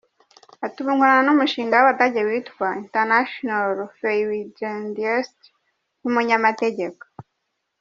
Ati “ Ubu nkorana n’umushinga w’Abadage witwa Interanationale Freiwilligendieste nk’umunyamategeko.